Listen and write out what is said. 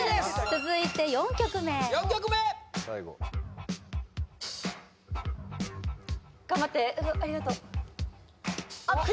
続いて４曲目４曲目・頑張ってありがとう